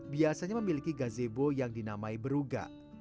biasanya memiliki gazebo yang dinamai beruga